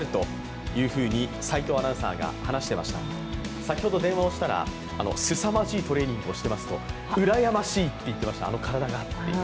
先ほど電話をしたら、すさまじいトレーニングをしてますと、うらやましいと言っていました、あの体がと。